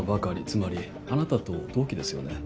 つまりあなたと同期ですよね？